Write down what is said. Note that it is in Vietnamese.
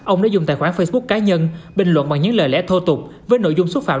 ông đã dùng tài khoản facebook cá nhân bình luận bằng những lời lẽ thô tục với nội dung xúc phạm